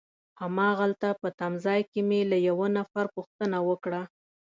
هماغلته په تمځای کي مې له یوه نفر پوښتنه وکړه.